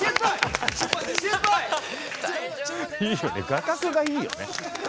画角がいいよね。